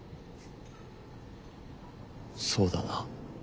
そうだな。